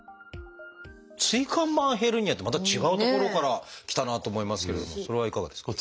「椎間板ヘルニア」ってまた違うところからきたなと思いますけれどもそれはいかがですか？